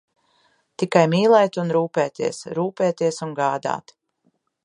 Tikai mīlēt un rūpēties, rūpēties un gādāt.